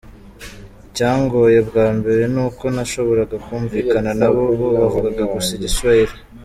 Icyangoye bwa mbere ni uko ntashoboraga kumvikana nabo, bo bavugaga gusa igiswahili.